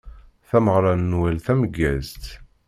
Tameɣṛa n Nwal tameggazt.